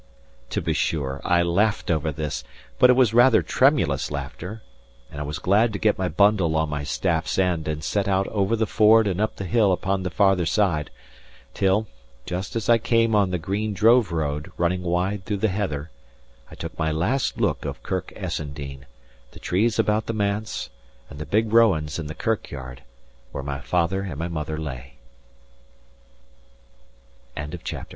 To be sure, I laughed over this; but it was rather tremulous laughter; and I was glad to get my bundle on my staff's end and set out over the ford and up the hill upon the farther side; till, just as I came on the green drove road running wide through the heather, I took my last look of Kirk Essendean, the trees about the manse, and the big rowans in the kirkyard where my father and my